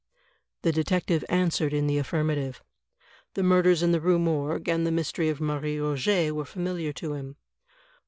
The detective answered in the affirmative. "The Murders in the Rue Morgue" and "The Mystery of Marie Roget" were fainiliar to him.